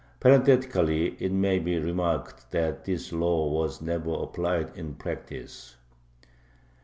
Parenthetically it may be remarked that this law was never applied in practice.